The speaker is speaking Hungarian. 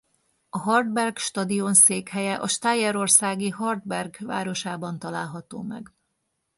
A Hartberg Stadion székhelye a stájerországi Hartberg városában található meg.